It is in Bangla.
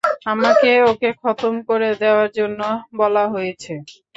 আমাকে ওকে খতম করে দেওয়ার জন্য বলা হয়েছে।